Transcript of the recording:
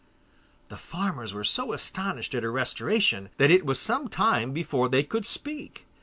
The farmers were so astonished at her restoration, that it was some time before they could speak.